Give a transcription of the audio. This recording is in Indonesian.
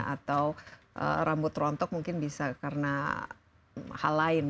atau rambut rontok mungkin bisa karena hal lain